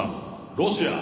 ロシア。